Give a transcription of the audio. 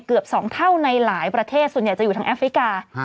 เกือบ๒เท่าในหลายประเทศส่วนใหญ่จะอยู่ทางแอฟริกา